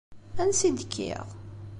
Ansa i d-kkiɣ?